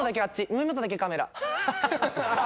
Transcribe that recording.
目元だけカメラ。